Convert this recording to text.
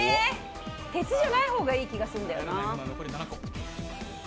鉄じゃない方がいい気がするんだよな。